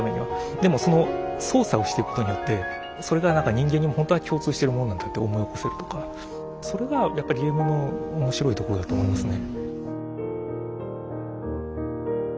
でもその操作をしていくことによってそれが何か人間にもほんとは共通してるもんなんだって思い起こせるとかそれがやっぱりゲームの面白いところだと思いますね。